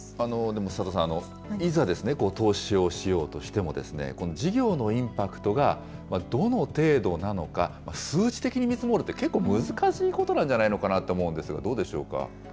でも佐藤さん、いざ投資をしようとしても、事業のインパクトがどの程度なのか、数値的に見積もるって、結構難しいことなんじゃないかなと思うんですが、どうでしょうか。